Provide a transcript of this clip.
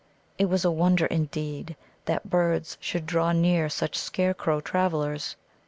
It was a wonder, indeed, that birds should draw near such scarecrow travellers.